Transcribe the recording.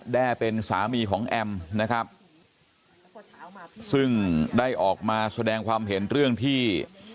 แด้เป็นสามีของแอมนะครับซึ่งได้ออกมาแสดงความเห็นเรื่องที่